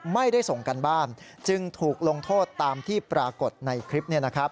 ไม่ได้ส่งกันบ้านจึงถูกลงโทษตามที่ปรากฏในคลิป